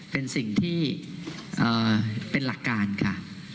เป็นสิ่งที่เป็นหลักการค่ะ